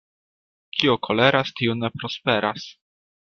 Kiu koleras, tiu ne prosperas.